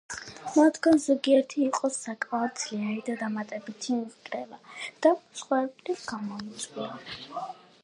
მათგან ზოგიერთი იყო საკმაოდ ძლიერი და დამატებითი ნგრევა და მსხვერპლი გამოიწვია.